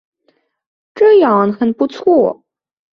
这样很不错